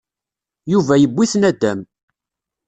Yuba yewwi-t nadam.